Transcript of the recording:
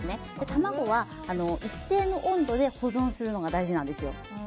卵は一定の温度で保存するのが大事なんですよ。